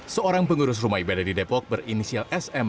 seorang pengurus rumah ibadah di depok berinisial sm